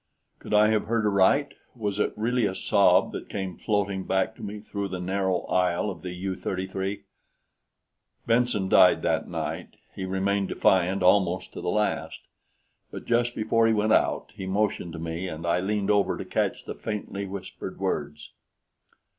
Could I have heard aright? Was it really a sob that came floating back to me through the narrow aisle of the U 33? Benson died that night. He remained defiant almost to the last; but just before he went out, he motioned to me, and I leaned over to catch the faintly whispered words.